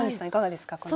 いかがですか？